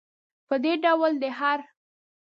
په دې ډول دی هر.